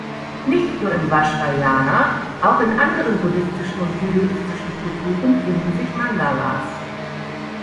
Nicht nur im Vajrayana, auch in anderen buddhistischen und hinduistischen Kulturen finden sich Mandalas.